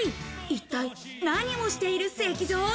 一体何をしている石像？